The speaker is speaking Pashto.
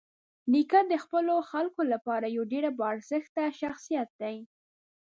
نیکه د خپلو خلکو لپاره یوه ډېره باارزښته شخصيت دی.